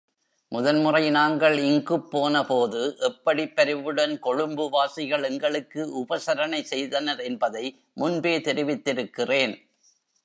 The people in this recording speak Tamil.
முதன் முறை நாங்கள் இங்குப் போனபோது எப்படிப் பரிவுடன் கொழும்புவாசிகள் எங்களுக்கு உபசரணை செய்தனர் என்பதை முன்பே தெரிவித்திருக்கிறேன்.